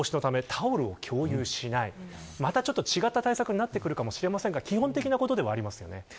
また違った対策になってくるかもしれませんが基本的なことではあります。